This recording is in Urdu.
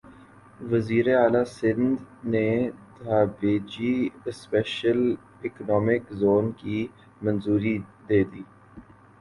وزیراعلی سندھ نے دھابیجی اسپیشل اکنامک زون کی منظوری دیدی